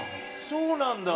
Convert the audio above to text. そうなんだ！